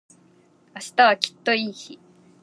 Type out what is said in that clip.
明日はきっといい日